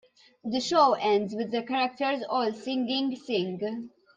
The show ends with the characters all singing "Sing".